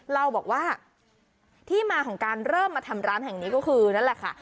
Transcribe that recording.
เราบอกว่าที่มาของการเริ่มมาทำร้านแห่งนี้ก็คือนั่นแหละค่ะ